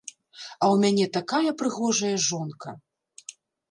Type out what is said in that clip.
А ў мяне такая прыгожая жонка!